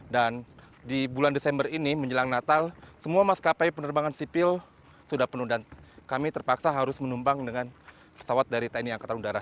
dan di bulan desember ini menjelang natal semua maskapai penerbangan sipil sudah penuh dan kami terpaksa harus menumbang dengan pesawat dari tni angkatan undara